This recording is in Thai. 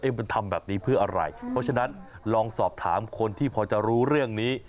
มันทำแบบนี้เพื่ออะไรเพราะฉะนั้นลองสอบถามคนที่พอจะรู้เรื่องนี้